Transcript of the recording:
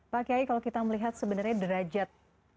pak kiai kalau kita melihat sebenarnya derajat